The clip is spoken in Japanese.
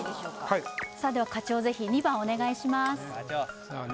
はいさあでは課長ぜひ２番お願いしますさあ